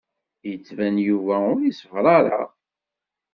Yettban Yuba ur iṣebbeṛ ara.